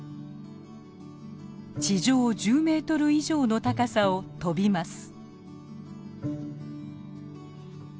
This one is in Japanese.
地上１０メートル以上の高さを飛びます。